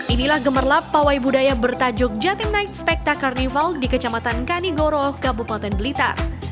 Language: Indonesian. inilah gemerlap pawai budaya bertajuk jatim night specta carnival di kecamatan kanigoro kabupaten blitar